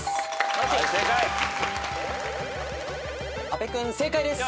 阿部君正解です。